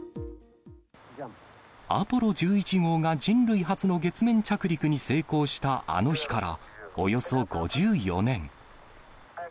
アポロ１１号が人類初の月面着陸に成功したあの日から、およそ５４年。